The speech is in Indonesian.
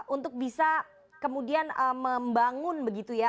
untuk bisa kemudian membangun begitu ya